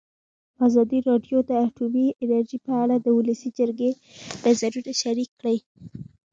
ازادي راډیو د اټومي انرژي په اړه د ولسي جرګې نظرونه شریک کړي.